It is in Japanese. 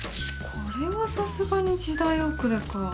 これはさすがに時代遅れか。